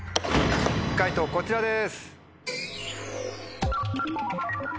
解答こちらです。